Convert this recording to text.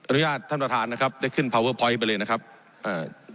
อนุญาตท่านประธานนะครับได้ขึ้นไปเลยนะครับอ่า